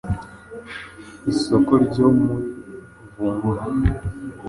isoko ryo muri Vunga.